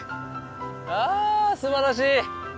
あすばらしい。